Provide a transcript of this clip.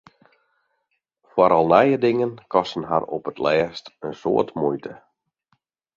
Foaral nije dingen kosten har op 't lêst in soad muoite.